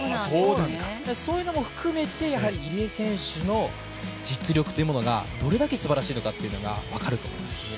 そういうのも含めて、入江選手の実力がどれだけすばらしいというのが分かると思います。